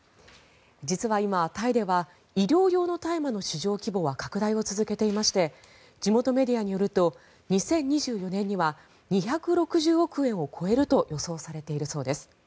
実は今、タイでは医療用の大麻の市場規模は拡大を続けていまして地元メディアによると２０２４年には２６０億円を超えると予想されているそうです。